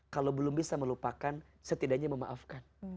kalau belum bisa melupakan setidaknya memaafkan